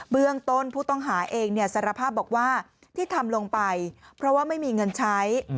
เบื้องต้นผู้ต้องหาเองสารภาพบอกว่าที่ทำลงไปเพราะว่าไม่มีเงินใช้